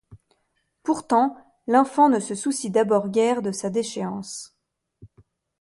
Pourtant, l'infant ne se soucie d'abord guère de sa déchéance.